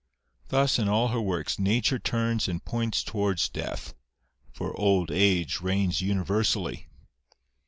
Thus, in all her works, Nature turns and points towards death: for old age reigns universally.